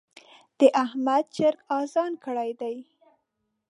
د احمد چرګ اذان کړی دی.